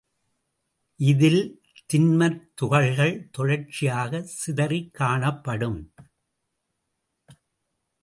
இதில் திண்மத் துகள்கள் தொடர்ச்சியாகச் சிதறிக் காணப்படும்.